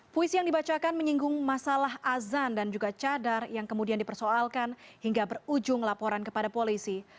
puisi yang dibacakan menyinggung masalah azan dan juga cadar yang kemudian dipersoalkan hingga berujung laporan kepada polisi